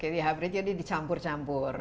hybrid jadi dicampur campur